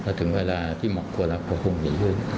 ถ้าถึงเวลาที่เหมาะกว่าแล้วก็คงอย่ายื่น